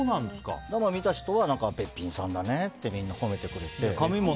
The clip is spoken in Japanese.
見た人はべっぴんさんだねってみんな褒めてくれて。